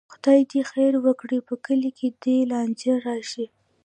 خدای دې خیر وکړي، په کلي کې دې لانجه نه راشي.